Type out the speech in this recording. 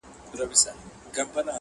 زه له بېرنګۍ سره سوځېږم ته به نه ژاړې-